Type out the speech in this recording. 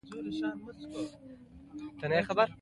د احمد او محمود لانجه حل کېږي.